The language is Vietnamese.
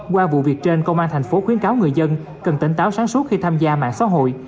qua vụ việc trên công an thành phố khuyến cáo người dân cần tỉnh táo sáng suốt khi tham gia mạng xã hội